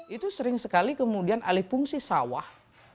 itu sering sekali kemudian alih fungsi sawah